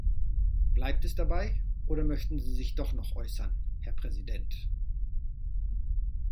Bleibt es dabei, oder möchten Sie sich doch noch äußern, Herr Präsident?